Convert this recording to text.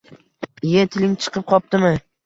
Iye, tiling chiqib qopdimi?